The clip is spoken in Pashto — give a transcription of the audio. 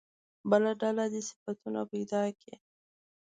بله ډله دې صفتونه پیدا کړي.